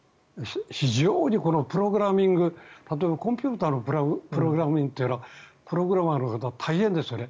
非常にこのプログラミングは例えばコンピューターのプログラミングというのはプログラマーの方大変ですよね。